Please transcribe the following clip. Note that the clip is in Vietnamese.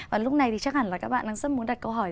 và lúc này thì chắc hẳn là các bạn đang rất muốn đặt câu hỏi